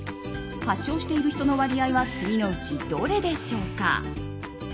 発症している人の割合は次のうちどれでしょうか？